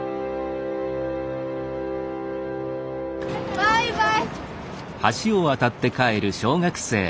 バイバイ。